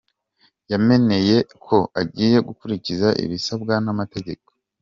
Yanemeye ko agiye gukurikiza ibisabwa n’amategeko.